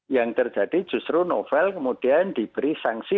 yang terjadi justru novel kemudian diberi sanksi